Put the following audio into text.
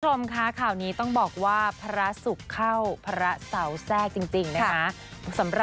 คุณผู้ชมคะข่าวนี้ต้องบอกว่าพระศุกร์เข้าพระเสาแทรกจริงนะคะ